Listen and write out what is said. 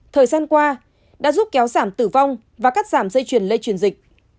thời gian qua đã giúp kéo giảm tử vong và cắt giảm dây chuyển lây chuyển dịch